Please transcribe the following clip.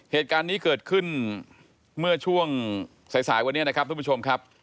เหตุการณ์นี้เกิดขึ้นเมื่อช่วงสายสายวันนี้นะครับทุกผู้ชมครับ